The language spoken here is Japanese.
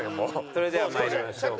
それではまいりましょうか。